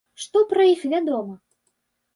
Што пра іх вядома?